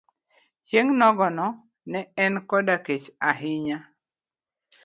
Chieng' onogo ne en koda kech ahinya.